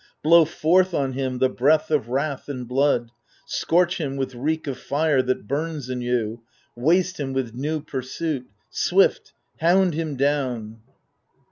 Blow forth on him the breath of wrath and blood. Scorch him with reek of fire that bums in you. Waste him with new pursuit — swift, hound him down!